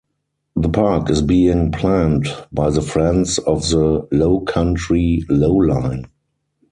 The park is being planned by the Friends of the Lowcountry Lowline.